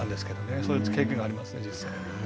そういう経験がありますね、実際にね。